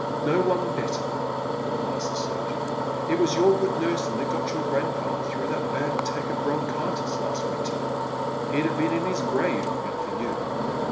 *' No one better," replies the sm geon ;" it was your good nursing that got your grandfather through that bad attack of bronchitis last winter. He'd have been in his grave but for yon."